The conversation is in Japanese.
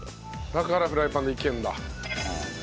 だからフライパンでいけるんだ。